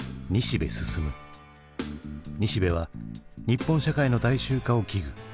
西部は日本社会の大衆化を危惧。